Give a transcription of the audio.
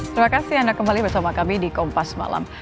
terima kasih anda kembali bersama kami di kompas malam